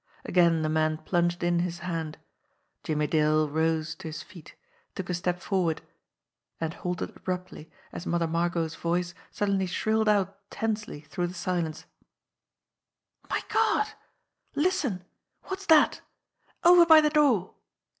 Again the man plunged in his hand. Jimmie Dale ro:e to his feet, took a step forward and halted abruptly, as Mother Margot's voice suddenly shrilled out tensely through the silence : "My Gawd! Listen! Wot's dat? Over by de door!"